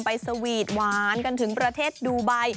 ไปสวีตว์หวานกันถึงประเทศดูใบ